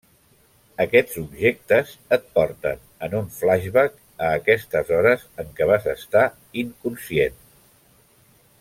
Aquests objectes et porten en un flashback a aquestes hores en què vas estar inconscient.